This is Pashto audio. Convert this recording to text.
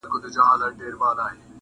هدف لرونکی ژوند مانا لرونکی ژوند دی.